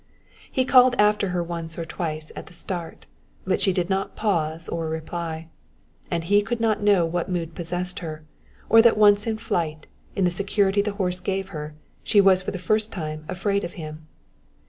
He called after her once or twice at the start, but she did not pause or reply; and he could not know what mood possessed her; or that once in flight, in the security the horse gave her, she was for the first time afraid of him.